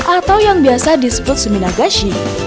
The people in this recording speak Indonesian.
atau yang biasa disebut suminagashi